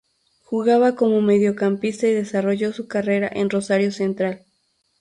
Jugaba como mediocampista y desarrolló su carrera en Rosario Central.